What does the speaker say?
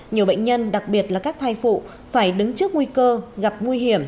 nhiều bệnh nhân đặc biệt là các thai phụ phải đứng trước nguy cơ gặp nguy hiểm